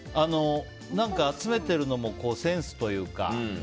何か集めてるのもセンスというか。